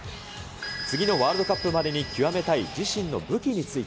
次のワールドカップまでにきわめたい自身の武器について。